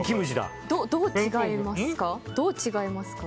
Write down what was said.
どう違いますか？